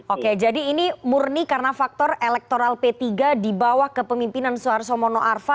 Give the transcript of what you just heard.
oke jadi ini murni karena faktor elektoral p tiga di bawah kepemimpinan soeharto mono arfa